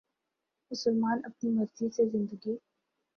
مسلمان اپنی مرضی سے زندگی